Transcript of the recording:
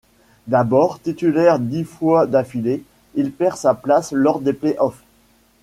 D’abord titulaire dix fois d’affilée, il perd sa place lors des play-offs.